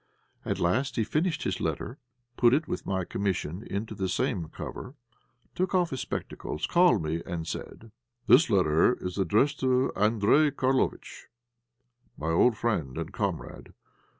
At last he finished his letter, put it with my commission into the same cover, took off his spectacles, called me, and said "This letter is addressed to Andréj Karlovitch R., my old friend and comrade.